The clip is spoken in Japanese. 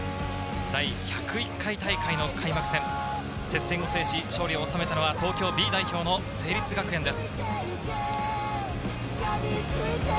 第１０１回大会の開幕戦、接戦を制し勝利を収めたのは、東京Ｂ代表の成立学園です。